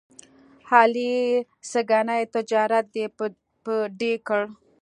علي سږني تجارت ډۍ په ډۍ کړ.